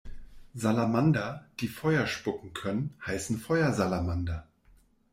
Salamander, die Feuer spucken können, heißen Feuersalamander.